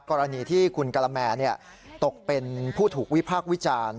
กรณีที่คุณกะละแมตกเป็นผู้ถูกวิพากษ์วิจารณ์